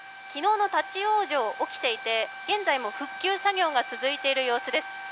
昨日の立往生が起きていて現在も復旧作業が続いている様子です。